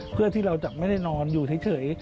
เพื่อที่เราจะไม่ได้นอนอยู่เฉย